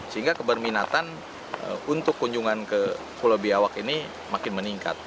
sehingga keberminatan untuk kunjungan ke pulau biawak ini makin meningkat